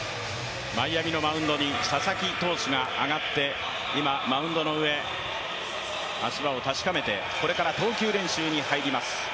マイアミのマウンドに佐々木投手が上がって今、マウンドの上、足場を確かめてこれから投球練習に入ります。